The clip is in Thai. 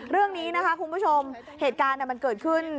เรื่องนี้นะคะคุณผู้ชมเหตุการณ์มันเกิดขึ้น